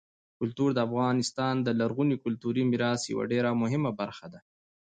کلتور د افغانستان د لرغوني کلتوري میراث یوه ډېره مهمه برخه ده.